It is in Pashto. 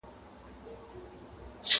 دا آخره زمانه ده په پیمان اعتبار نسته٫